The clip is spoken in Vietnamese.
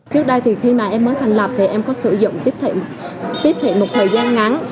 trước đây khi em mới thành lập em có sử dụng tiếp thị một thời gian ngắn